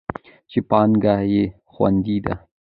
چې پانګه یې خوندي ده.